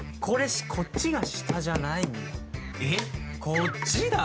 こっちだ。